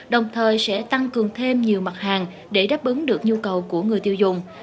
đồng thời sẽ tăng cường thêm nhiều mặt hàng để đáp ứng được nhu cầu của người tiêu dùng